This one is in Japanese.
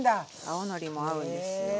青のりも合うんですよ。